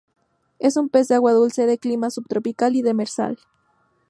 Es un pez de Agua dulce, de clima subtropical y demersal.